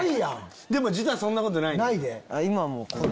でも実はそんなことないねん。